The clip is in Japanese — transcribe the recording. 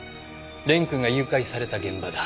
蓮くんが誘拐された現場だ。